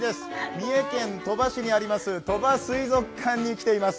三重県鳥羽市にあります鳥羽水族館に来ています。